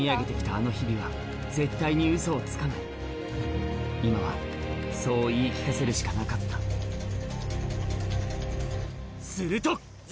あの日々は絶対にウソをつかない今はそう言い聞かせるしかなかったすると！